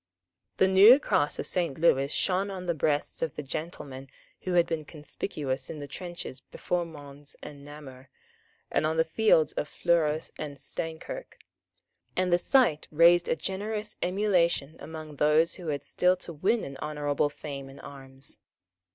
The new cross of Saint Lewis shone on the breasts of the gentlemen who had been conspicuous in the trenches before Mons and Namur, and on the fields of Fleurus and Steinkirk; and the sight raised a generous emulation among those who had still to win an honourable fame in arms.